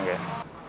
seratus juta mbak